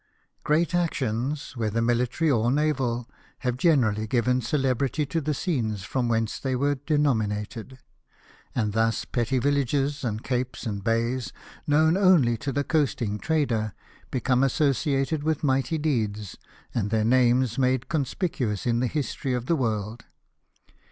Great actions, whether miUtary or naval, have generally given celebrity to the scenes from whence they are denominated; and thus petty villages, and capes, and bays, known only to the coasting trader, become associated with mighty deeds, and their names are made conspicuous in the history of the world.